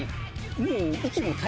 もう。